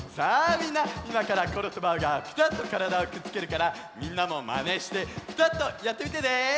みんないまからコロとバウがぴたっとからだをくっつけるからみんなもまねしてぴたっとやってみてね！